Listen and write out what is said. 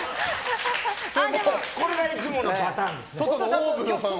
これがいつものパターンですね。